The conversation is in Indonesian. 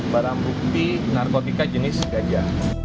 barang bukti narkotika jenis gajah